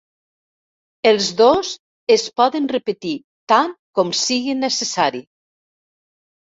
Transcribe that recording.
Els dos es poden repetir tant com sigui necessari.